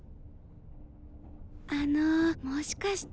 あのもしかして。